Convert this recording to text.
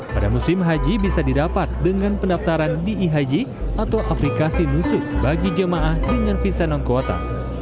pada musim haji bisa didapat dengan pendaftaran diihaji atau aplikasi musuh bagi jamaah dengan visa non quota